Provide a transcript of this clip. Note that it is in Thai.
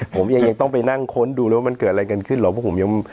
ผมยังต้องไปนั่งค้นดูว่าเหมือนเกิดอะไรกันขึ้นหรอก